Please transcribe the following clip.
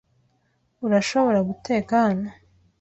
Urashobora guteka hano.